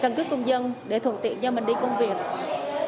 căn cước công dân để thuận tiện cho mình đi công việc